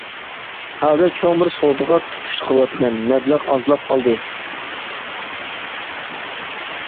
ھازىر چوڭ بىر سودىغا تۇتۇش قىلىۋاتىمەن، مەبلەغ ئازلاپ قالدى.